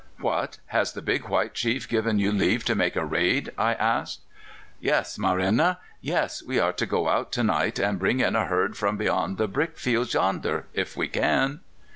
"'What! has the big white chief given you leave to make a raid?' I asked. "'Yes, Marenna yes; we are to go out to night, and bring in a herd from beyond the brickfields yonder if we can.